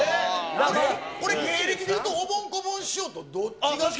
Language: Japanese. これ、芸歴でいうと、おぼん・こぼん師匠とどっち？